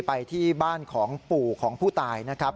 ไปที่บ้านของปู่ของผู้ตายนะครับ